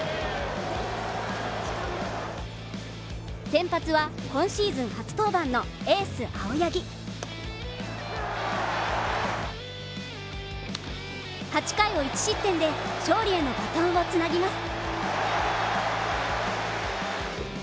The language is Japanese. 先発は今シーズン初登板のエース・青柳８回を１失点で勝利へのバトンを繋ぎます。